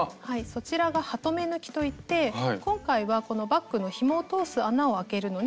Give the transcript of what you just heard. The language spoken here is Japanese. そちらが「ハトメ抜き」といって今回はこのバッグのひもを通す穴をあけるのに使います。